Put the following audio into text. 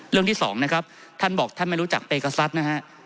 ที่สองนะครับท่านบอกท่านไม่รู้จักเปกษัตริย์นะฮะ